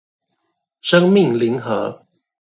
生命零和